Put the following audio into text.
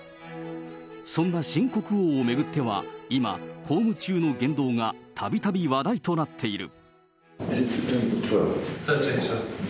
そんな新国王を巡っては今、公務中の言動がたびたび話題となっている。